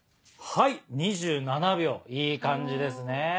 はい２７秒いい感じですね。